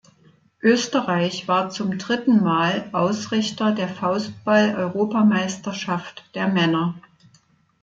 Österreich war zum dritten Mal Ausrichter der Faustball-Europameisterschaft der Männer.